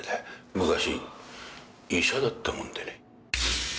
昔医者だったもんでね。